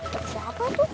motor siapa tuh